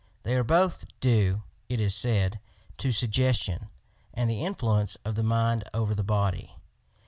They are both due — it is said — to suggestion and the influence of the mind over the body.